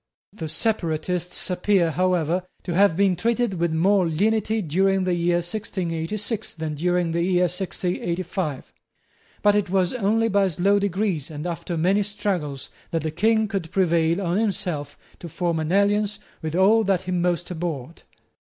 The separatists appear, however, to have been treated with more lenity during the year 1686 than during the year 1685. But it was only by slow degrees and after many struggles that the King could prevail on himself to form an alliance with all that he most abhorred.